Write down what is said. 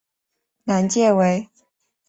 南界为。